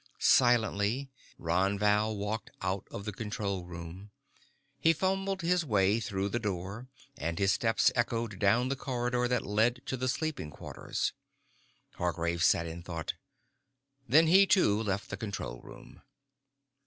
Silently, Ron Val walked out of the control room. He fumbled his way through the door and his steps echoed down the corridor that led to the sleeping quarters. Hargraves sat in thought. Then he, too, left the control room.